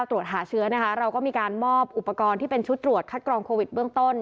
ตรวจหาเชื้อนะคะเราก็มีการมอบอุปกรณ์ที่เป็นชุดตรวจคัดกรองโควิดเบื้องต้น